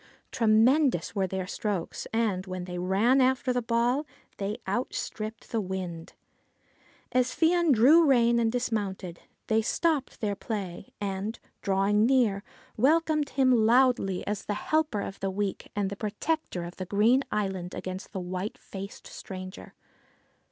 Tremendous were their strokes, and, when they ran after the ball, they outstripped the wind. As Fion drew rein and dismounted, they stopped their play; K 73 QUEEN OF THE MANY COLOURED BEDCHAMBER and, drawing near, welcomed him loudly as the helper of the weak, and the protector of the green island against the white faced stranger.